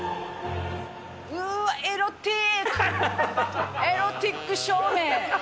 うーわ、エロティック、エロティック照明。